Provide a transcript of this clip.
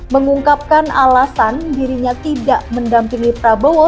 mengungkapkan alasan dirinya tidak mendampingi prabowo